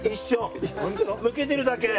むけてるだけ。